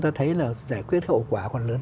ta thấy là giải quyết hậu quả còn lớn